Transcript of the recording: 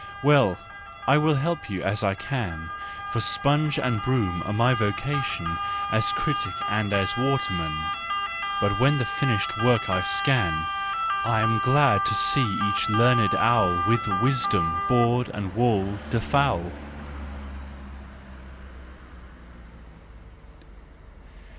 Well, I will help you, as I can, For sponge and broom are my vocation, As critic and as waterman. But when the finished work I scan, I'm glad to see each learned owl With "wisdom" board and wall defoul.